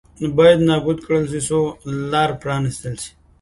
باید نابود کړل شي څو لار پرانېستل شي.